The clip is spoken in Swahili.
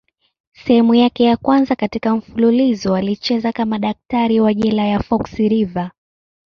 Sehemu yake ya kwanza katika mfululizo alicheza kama daktari wa jela ya Fox River.